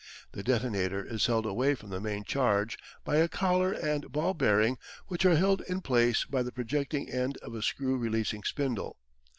The detonator is held away from the main charge by a collar and ball bearing which are held in place by the projecting end of a screw releasing spindle.